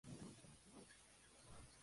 Un intelecto sabio es el reflejo de Dios.